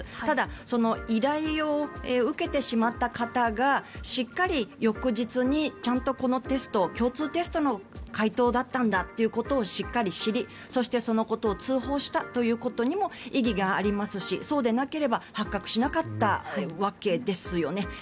ただその依頼を受けてしまった方がしっかり翌日にちゃんとこのテスト、共通テストの解答だったんだっていうことをしっかり知りそして、そのことを通報したということにも意義がありますしそうでなければ発覚しなかったわけですよね。